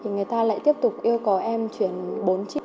người ta lại tiếp tục yêu cầu em chuyển bốn triệu